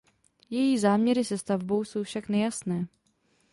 Její záměry se stavbou jsou však nejasné.